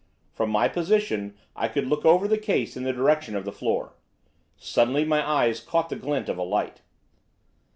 From my position I could look over the case in the direction of the floor. Suddenly my eyes caught the glint of a light.